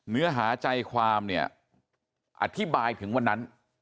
เนื้อหาใจความเนี่ยอธิบายถึงวันนั้น